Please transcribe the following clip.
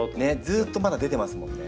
ずっとまだ出てますもんね。